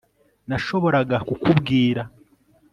Nashoboraga kukubwira